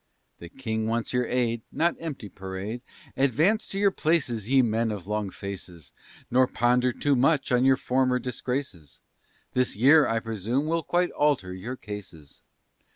The King wants your aid, Not empty parade; Advance to your places, ye men of long faces, Nor ponder too much on your former disgraces; This year, I presume, will quite alter your cases.